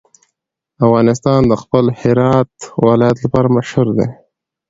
افغانستان د خپل هرات ولایت لپاره مشهور دی.